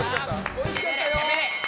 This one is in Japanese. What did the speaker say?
おいしかったよ！